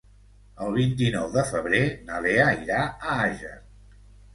El vint-i-nou de febrer na Lea irà a Àger.